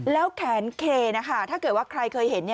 แล้วแขนเคถ้าเกิดว่าใครเคยเห็น